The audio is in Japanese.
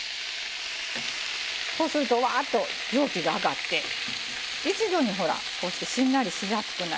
こうするとうわっと蒸気が上がって一度にほらこうしてしんなりしやすくなるのね。